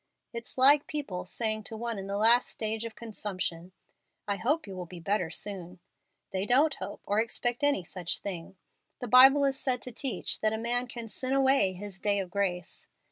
It's like people saying to one in the last stage of consumption, 'I hope you will be better soon.' They don't hope or expect any such thing. The Bible is said to teach that a man can sin away his day of grace.